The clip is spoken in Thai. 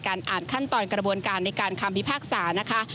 อ่านขั้นตอนกระบวนการในการคำพิพากษานะคะ